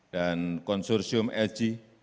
dan konsorsium lg